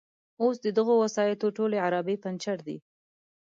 اوس د دغو وسایطو ټولې عرابې پنجر دي.